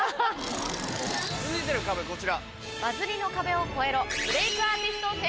続いての壁こちら。